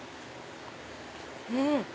うん。